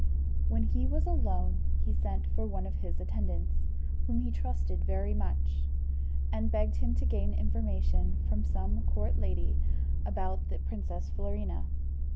When he was alone, he sent for one of his attendants, whom he trusted very much, and begged him to gain information from some court lady about the princess Florina.